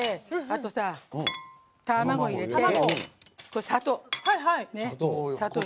あとさ、卵入れて砂糖。